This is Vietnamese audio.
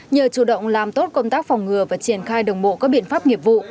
nhờ chủ động làm tốt công tác phòng ngừa và triển khai đồng bộ các biện pháp nghiệp vụ